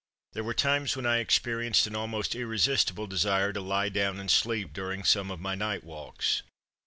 There were times when I experienced an almost irresistible desire to lie down and sleep during some of my night walks.